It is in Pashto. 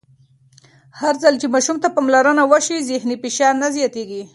هرځل چې ماشوم ته پاملرنه وشي، ذهني فشار نه زیاتېږي.